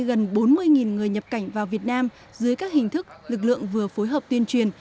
gần bốn mươi người nhập cảnh vào việt nam dưới các hình thức lực lượng vừa phối hợp tuyên truyền